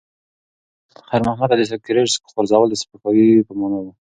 خیر محمد ته د سګرټ غورځول د سپکاوي په مانا و.